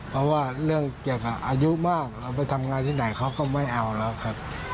เพราะว่าเรื่องเกี่ยวกับอายุมากเราไปทำงานที่ไหนเขาก็ไม่เอาแล้วครับ